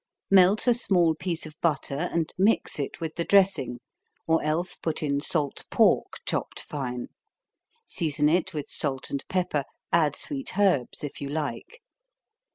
Melt a small piece of butter, and mix it with the dressing, or else put in salt pork, chopped fine; season it with salt and pepper; add sweet herbs if you like.